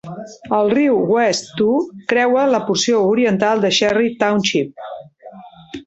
El riu West Two creua la porció oriental de Cherry Township.